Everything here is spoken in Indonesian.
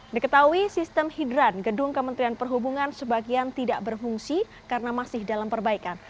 diketahui sistem hidran gedung kementerian perhubungan sebagian tidak berfungsi karena masih dalam perbaikan